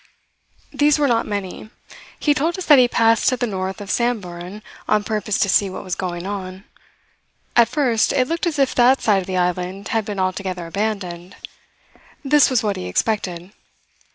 These were not many. He told us that he passed to the north of Samburan on purpose to see what was going on. At first, it looked as if that side of the island had been altogether abandoned. This was what he expected.